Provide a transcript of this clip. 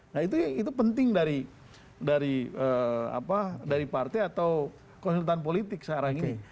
nah itu penting dari partai atau konsultan politik sekarang ini